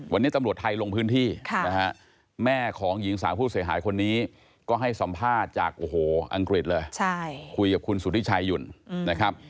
วันนี้ตำรวจไทยลงพื้นที่นะฮะแม่ของหญิงสาวผู้เสียหายคนนี้ก็ให้สัมภาษณ์จากโอ้โหอังกฤษเลยคุยกับคุณสุธิชัยหยุ่นนะครับ